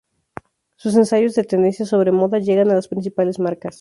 Sus ensayos de tendencias sobre moda llegan a las principales marcas.